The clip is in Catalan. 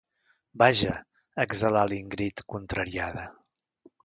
Vaja —exhalà l'Ingrid, contrariada—.